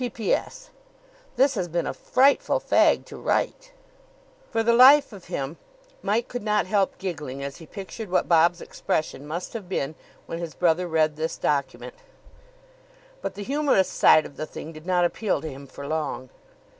"P.P.S. This has been a frightful fag to write." For the life of him Mike could not help giggling as he pictured what Bob's expression must have been when his brother read this document. But the humorous side of the thing did not appeal to him for long.